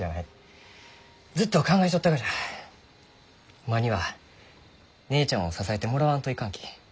おまんには姉ちゃんを支えてもらわんといかんき。